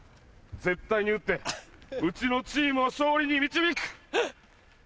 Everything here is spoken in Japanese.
絶対に打ってうちのチームを勝利に導く！